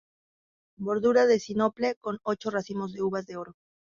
Bordura de sinople, con ocho racimos de uvas de oro.